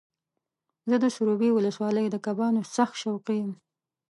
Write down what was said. زه د سروبي ولسوالۍ د کبانو سخت شوقي یم.